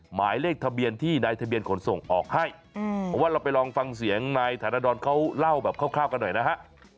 หมายเลขทะเบียนที่นายทะเบียนขนส่งออกให้เพราะว่าเราไปลองฟังเสียงนายธารดรเขาเล่าแบบคร่าวกันหน่อยนะฮะ